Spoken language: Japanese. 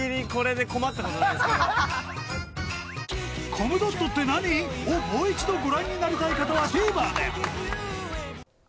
［『コムドットって何？』をもう一度ご覧になりたい方はＴＶｅｒで！］